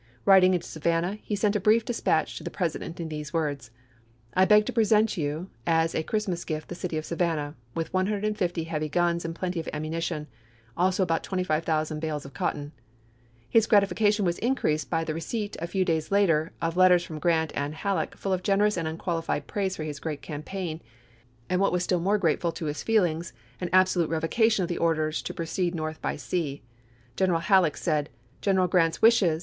Eiding into Savannah he sent a brief dispatch to the Presi dent in these words :" I beg to present to you as a Christmas gift the city of Savannah, with 150 heavy guns and plenty of ammunition ; also about 25,000 ^SSf0 Dbc 22 bales of cotton," His gratification was increased by i«a. ' ms. the receipt a few days later of letters from Grant and Halleck, full of generous and unqualified praise for his great campaign, and what was still more grate ful to his feelings, an absolute revocation of the orders to proceed North by sea. General Halleck said :" General Grant's wishes